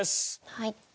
はい。